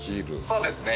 そうですね。